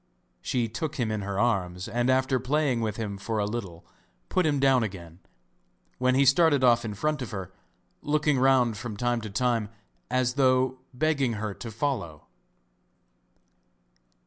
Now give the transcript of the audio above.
She took him in her arms, and after playing with him for a little put him down again, when he started off in front of her, looking round from time to time as though begging her to follow.